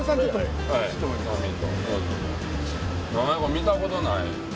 見たことない。